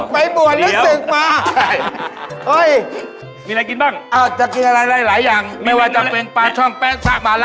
ไปบวชแล้วศึกมา